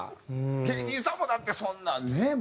芸人さんもだってそんなんねえ